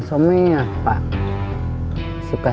kan pasti gai